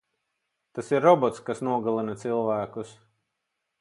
Tas ir robots, kas nogalina cilvēkus.